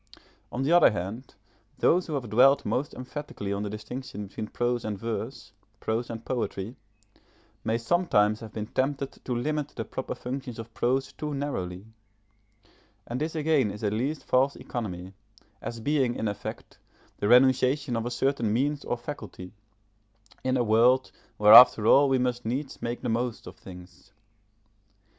On the other hand, those who have dwelt most emphatically on the distinction between prose and verse, prose and poetry, may sometimes have been tempted to limit the proper functions of prose too narrowly; and this again is at least false economy, as being, in effect, the renunciation of a certain means or faculty, in a world where after all we must needs make the most of things.